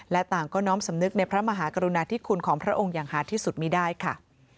และต่างก็น้อมสำนึกในพระมหากรุณาธิคุณของพระองค์อย่างหาดที่สุดมีได้ค่ะ